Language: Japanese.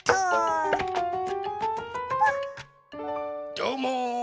どうも！